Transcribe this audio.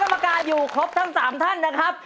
กรรมการอยู่ครบทั้ง๓ท่านนะครับ